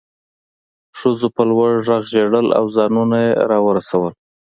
ښځو په لوړ غږ ژړل او ځانونه یې راورسول